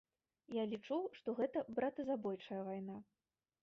Я лічу, што гэта братазабойчая вайна.